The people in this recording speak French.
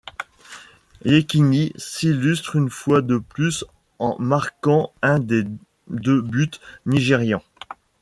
Yekini s'illustre une fois de plus en marquant un des deux buts nigérians.